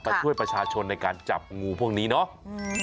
ช่วยประชาชนในการจับงูพวกนี้เนาะ